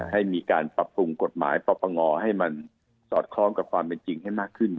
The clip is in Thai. ให้มีการปรับปรุงกฎหมายปปงให้มันสอดคล้องกับความเป็นจริงให้มากขึ้น